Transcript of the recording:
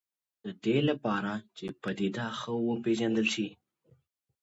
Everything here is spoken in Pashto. د دې لپاره چې پدیده ښه وپېژندل شي.